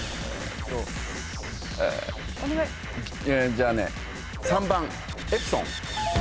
じゃあね３番エプソン。